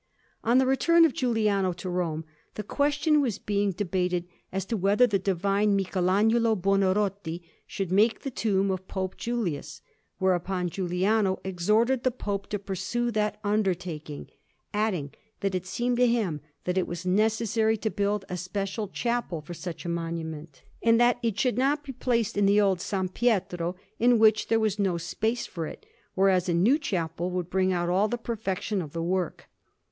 On the return of Giuliano to Rome, the question was being debated as to whether the divine Michelagnolo Buonarroti should make the tomb of Pope Julius; whereupon Giuliano exhorted the Pope to pursue that undertaking, adding that it seemed to him that it was necessary to build a special chapel for such a monument, and that it should not be placed in the old S. Pietro, in which there was no space for it, whereas a new chapel would bring out all the perfection of the work.